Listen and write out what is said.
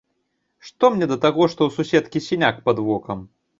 Што мне да таго, што ў суседкі сіняк пад вокам?